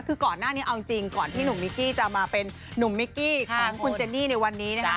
คือก่อนหน้านี้เอาจริงก่อนที่หนุ่มมิกกี้จะมาเป็นนุ่มมิกกี้ของคุณเจนนี่ในวันนี้นะคะ